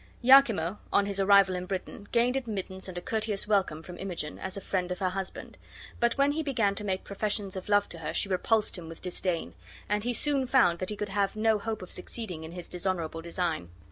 Iachimo, on his arrival in Britain, gained admittance and a courteous welcome from Imogen, as a friend of her husband; but when he began to make professions of love to her she repulsed him with disdain, and he soon found that he could have no hope of succeeding in his dishonorable design.